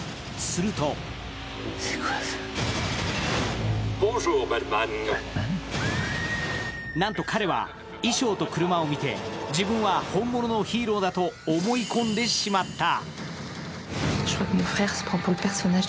するとなんと彼は、衣装と車を見て自分は本物のヒーローだと思い込んでしまった。